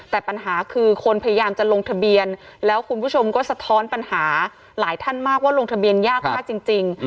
แต่ปัญหาคือคนพยายามจะลงทะเบียนแล้วคุณผู้ชมก็สะท้อนปัญหาหลายท่านมากว่าลงทะเบียนยากมากจริง